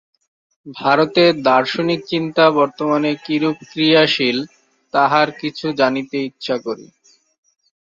ভারতে দার্শনিক চিন্তা বর্তমানে কিরূপ ক্রিয়াশীল, তাহার কিছু জানিতে ইচ্ছা করি।